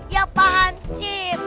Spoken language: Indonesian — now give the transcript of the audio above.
ya pak hansip